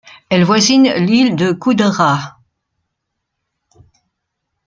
Elle voisine l'île de Kudarah.